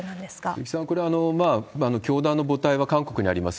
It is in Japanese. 鈴木さん、これ、教団の母体は韓国にあります。